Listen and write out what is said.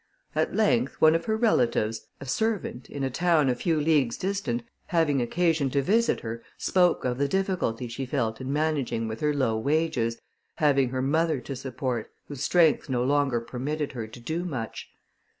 At length, one of her relatives, a servant, in a town a few leagues distant, having occasion to visit her, spoke of the difficulty she felt in managing with her low wages, having her mother to support, whose strength no longer permitted her to do much.